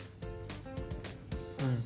うん。